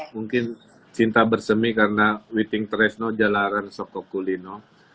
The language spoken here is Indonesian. mungkin cinta bersemi karena witing teresno jalaran sokokulino